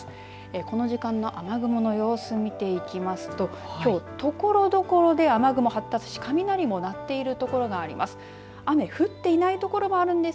この時間の雨雲の様子見ていきますときょう、ところどころで雨雲発達し、雷も鳴っている所があります。